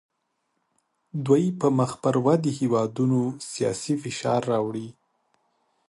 دوی په مخ پر ودې هیوادونو سیاسي فشار راوړي